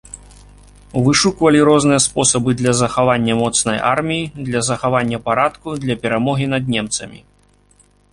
Вышуквалі розныя спосабы для захавання моцнай арміі, для захавання парадку, для перамогі над немцамі.